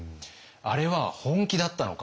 あれは本気だったのか